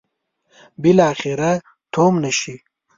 بالاخره تومنه شي.